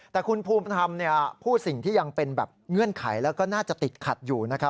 แต่คุณภูมิธรรมพูดสิ่งที่ยังเป็นแบบเงื่อนไขแล้วก็น่าจะติดขัดอยู่นะครับ